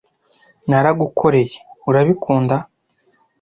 Naragukoreye. Urabikunda?